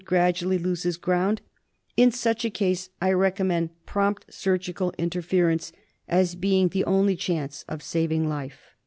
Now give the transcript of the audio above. I93 gradually loses ground, in such a case I recommend prompt surgical interference as being the only chance of saving life.